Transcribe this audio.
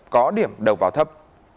có điểm đầu vào thấp